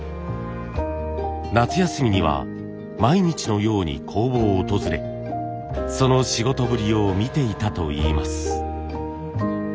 夏休みには毎日のように工房を訪れその仕事ぶりを見ていたといいます。